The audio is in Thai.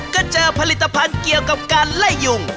ก็เจอผลิตภัณฑ์เกี่ยวกับการไล่ยุง